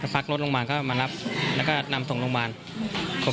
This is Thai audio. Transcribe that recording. พักรถลงมาก็มารับแล้วก็นำส่งโรงพยาบาล